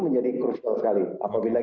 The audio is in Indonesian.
menjadi krusial sekali apabila